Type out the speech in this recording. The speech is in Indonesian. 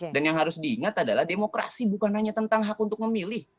dan yang harus diingat adalah demokrasi bukan hanya tentang hak untuk memilih